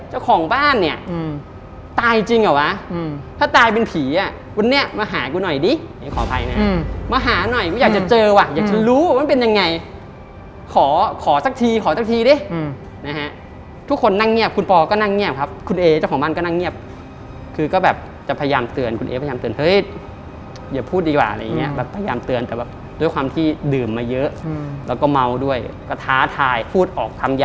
หน่อยไม่อยากจะเจอว่ะอยากจะรู้ว่ามันเป็นยังไงขอขอสักทีขอสักทีดิอืมนะฮะทุกคนนั่งเงียบคุณพอก็นั่งเงียบครับคุณเอเจ้าของบ้านก็นั่งเงียบคือก็แบบจะพยายามเตือนคุณเอ้ยพยายามเตือนเฮ้ยอย่าพูดดีกว่าอะไรอย่างเงี้ยแบบพยายามเตือนแต่ว่าด้วยความที่ดื่มมาเยอะอืมแล้วก็เมาด้วยก็ท้าทายพูดออกค